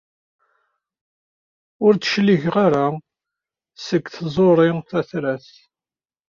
Ur d-cligeɣ ara seg tẓuri tatrart.